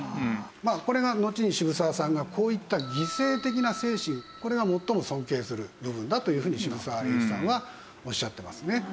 まあこれがのちに渋沢さんがこういった犠牲的な精神これが最も尊敬する部分だというふうに渋沢栄一さんはおっしゃってますね。